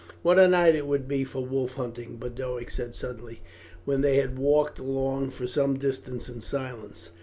"What a night it would be for wolf hunting!" Boduoc said suddenly, when they had walked along for some distance in silence.